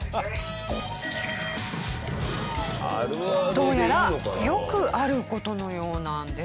どうやらよくある事のようなんです。